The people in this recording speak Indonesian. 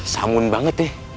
samun banget deh